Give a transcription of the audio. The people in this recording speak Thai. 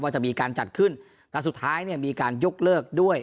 จะมีการจัดขึ้นแต่สุดท้ายเนี่ยมีการยกเลิกด้วย